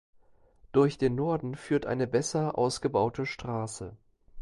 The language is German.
Durch den Norden führt eine besser ausgebaute Straße.